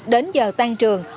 đến giờ tan trường